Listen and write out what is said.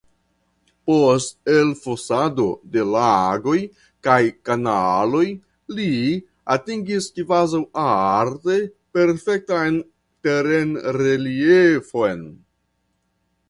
Post elfosado de lagoj kaj kanaloj li atingis kvazaŭ arte perfektan terenreliefon.